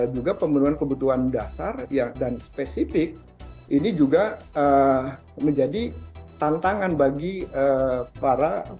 juga pemenuhan kebutuhan dasar dan spesifik ini juga menjadi tantangan bagi para